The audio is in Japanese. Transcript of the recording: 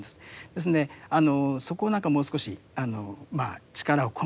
ですのでそこを何かもう少し力を込めてですね